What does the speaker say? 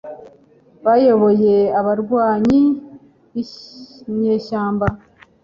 bayoboye abarwanyi b inyeshyamba